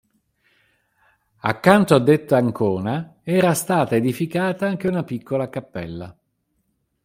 Accanto a detta ancona era stata edificata anche una piccola cappella.